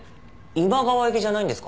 今川焼きじゃないんですか？